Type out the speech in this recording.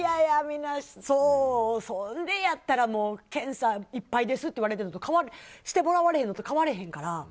それやったら検査いっぱいですって言われてるのとかしてもらわれへんのと変われへんから。